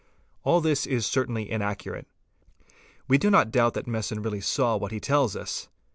All this is cer 'tainly inaccurate. We do not I. Fig. 97. LT. doubt that Messon really saw what he tells us.